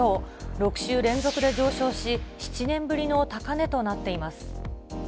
６週連続で上昇し、７年ぶりの高値となっています。